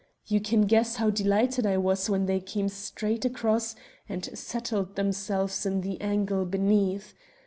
You can guess how delighted I was when they came straight across and settled themselves in the angle beneath.